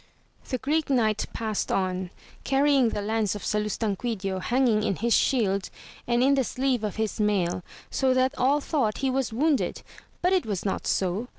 The Greek knight passed on, carrying the lance of Salustauquidio hanging in his shield and in the sleeve of his mail, so that all thought he was wounded, but it was not so.